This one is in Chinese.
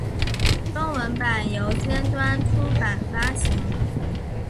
中文版由尖端出版发行。